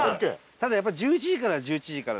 ただやっぱり１１時からは１１時から。